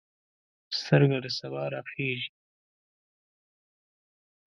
سترګه د سبا راخیژي